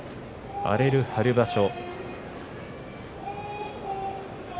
荒れる春場所。